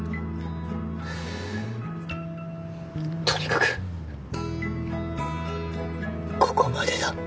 とにかくここまでだ。